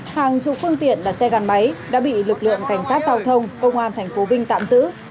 hàng chục phương tiện và xe gắn máy đã bị lực lượng cảnh sát giao thông công an tp vinh tạm giữ